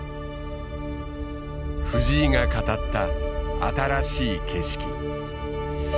藤井が語った新しい景色。